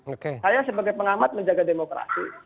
saya sebagai pengamat menjaga demokrasi